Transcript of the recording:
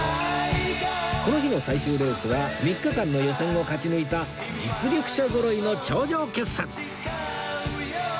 この日の最終レースは３日間の予選を勝ち抜いた実力者ぞろいの頂上決戦